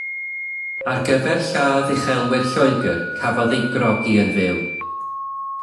Ar gyfer lladd uchelwyr Lloegr cafodd ei grogi yn fyw.